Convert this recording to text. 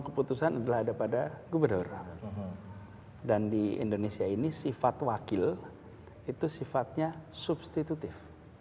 keputusan adalah ada pada gubernur dan di indonesia ini sifat wakil itu sifatnya substitutif